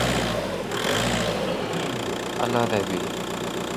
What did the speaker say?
اللہ دا بی۔